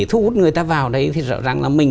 thu hút người ta vào đây thì rõ ràng là mình